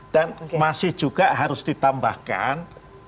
dan masih juga harus ditambahkan